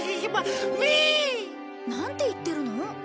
なんて言ってるの？